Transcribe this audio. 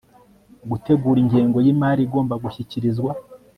gutegura ingengo y imari igomba gushyikirizwa